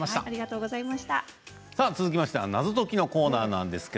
続きましては謎解きのコーナーです。